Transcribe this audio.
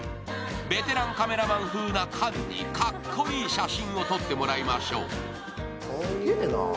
ベテランカメラマン風な菅にかっこいい写真を撮ってもらいましょう。